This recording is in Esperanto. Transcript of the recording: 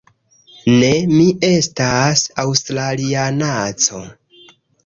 Ne, mi estas aŭstralianaĉo